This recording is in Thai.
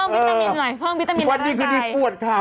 เพิ่มวิตามินในการกายภาพดีคือนี้ปวดค่ะ